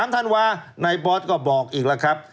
ธันวานายบอสก็บอกอีกแล้วครับ